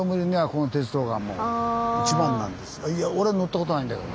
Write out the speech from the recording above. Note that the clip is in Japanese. いや俺乗ったことないんだけどね。